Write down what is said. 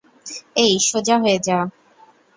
এই, সোজা হয়ে যা।